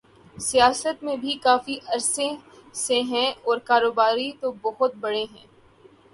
سیاست میں بھی کافی عرصے سے ہیں اور کاروباری تو بہت بڑے ہیں۔